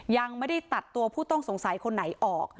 ยังไม่ได้ตัดตัวผู้ต้องสงสัยคนไหนออก